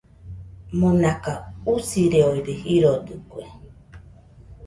Monaka usireode jirodɨkue.